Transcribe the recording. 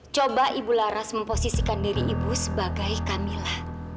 coba ibu laras memposisikan diri ibu sebagai camilla